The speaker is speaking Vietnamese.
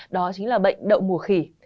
đó chính là bệnh đậu mùa khỉ